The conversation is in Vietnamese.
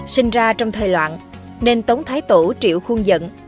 sinh ra trong thời loạn nên tống thái tổ triệu khuôn dẫn